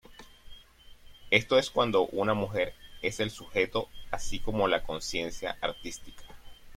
Esto es cuando una mujer es el sujeto, así como la "conciencia artística".